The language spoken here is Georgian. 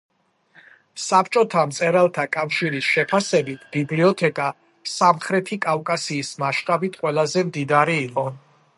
საბჭოთა მწერალთა კავშირის შეფასებით, ბიბლიოთეკა სამხრეთი კავკასიის მასშტაბით ყველაზე მდიდარი იყო.